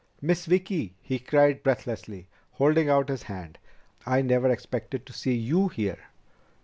"Miss Vicki!" he cried breathlessly, holding out his hand. "I never expected to see you here!"